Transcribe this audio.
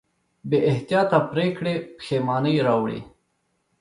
بېاحتیاطه پرېکړې پښېمانۍ راوړي.